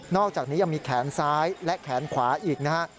อกจากนี้ยังมีแขนซ้ายและแขนขวาอีกนะฮะ